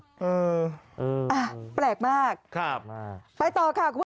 อ่ะแปลกมากไปต่อค่ะครับครับ